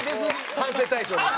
反省大賞です。